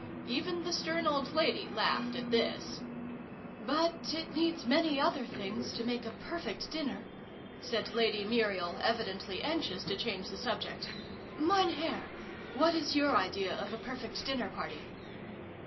Even the stern old lady laughed at this. H2 SYLVIE AND BRUNO CONCLUDED. " But it needs many other things to make a perfect dinner !" said Lady Muriel, evidently anxious to change the subject. " Mein Herr ! What is your idea of a perfect dinner party